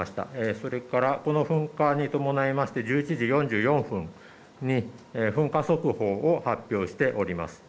それから、この噴火に伴いまして１１時４４分に噴火速報を発表しております。